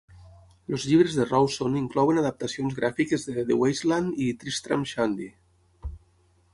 Els llibres de Rowson inclouen adaptacions gràfiques de "The Waste Land" i "Tristram Shandy".